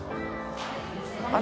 あれ？